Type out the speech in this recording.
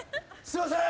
すいません。